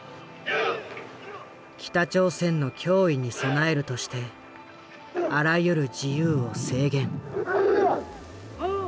北朝鮮の脅威に備えるとしてあらゆる自由を制限。